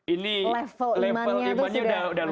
ini level imannya sudah luar biasa gitu